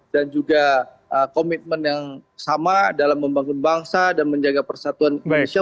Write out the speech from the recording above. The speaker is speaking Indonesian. dan juga komitmen yang sama dalam membangun bangsa dan menjaga persatuan malaysia